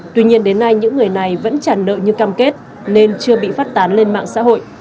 tuy nhiên đến nay những người này vẫn trả nợ như cam kết nên chưa bị phát tán lên mạng xã hội